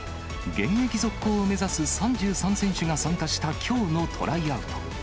現役続行を目指す３３選手が参加した、きょうのトライアウト。